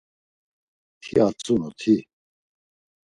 Ti atzunu, ti.